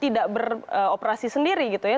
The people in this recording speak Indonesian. tidak beroperasi sendiri gitu ya